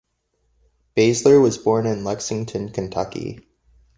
Baesler was born in Lexington, Kentucky.